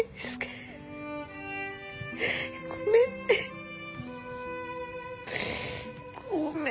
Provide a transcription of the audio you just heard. ごめんね。